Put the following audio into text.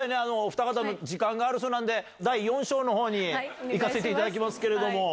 中谷さん、ごめんなさいね、お二方の時間があるそうなんで、第４章のほうに行かせていただきますけれども。